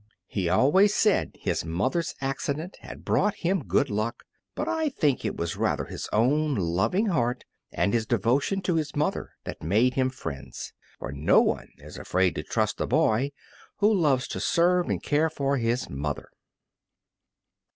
He always said his mother's accident had brought him good luck, but I think it was rather his own loving heart and his devotion to his mother that made him friends. For no one is afraid to trust a boy who loves to serve and care for his mother.